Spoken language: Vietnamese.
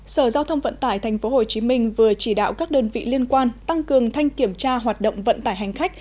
sở giao thông vận tải tp hcm vừa chỉ đạo các đơn vị liên quan tăng cường thanh kiểm tra hoạt động vận tải hành khách